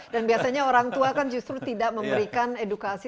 dan biasanya orang tua kan justru tidak memberikan edukasi